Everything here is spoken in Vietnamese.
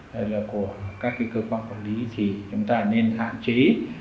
hay là của các cơ quan quản lý thì chúng ta nên hạn chế